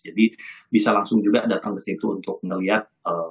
jadi bisa langsung juga datang ke situ untuk melihat